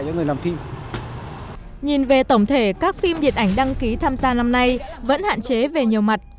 nhìn về tổng thể các phim điện ảnh đăng ký tham gia năm nay vẫn hạn chế về nhiều mặt